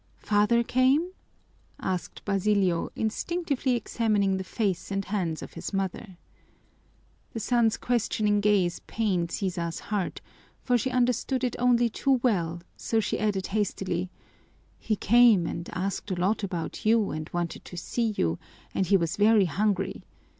"Father came?" asked Basilio, instinctively examining the face and hands of his mother. The son's questioning gaze pained Sisa's heart, for she understood it only too well, so she added hastily: "He came and asked a lot about you and wanted to see you, and he was very hungry.